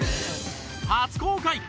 初公開！